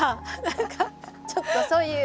何かちょっとそういう。